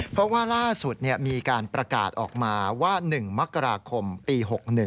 เพราะว่าล่าสุดมีการประกาศออกมาว่า๑มกราคมปี๖๑